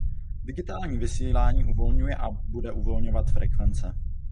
Digitální vysílání uvolňuje a bude uvolňovat frekvence.